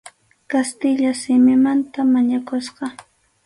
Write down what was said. Kastilla simimanta mañakusqa.